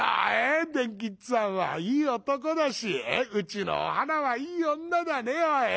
伝吉っつぁんはいい男だしうちのお花はいい女だねおい。